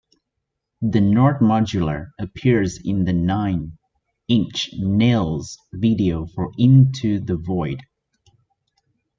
The Nord Modular appears in the Nine Inch Nails video for Into The Void.